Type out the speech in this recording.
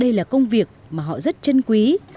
đây là công việc mà họ rất trân quý